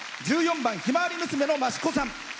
１４番「ひまわり娘」のましこさん。